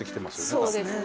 そうですね。